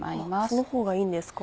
その方がいいんですか？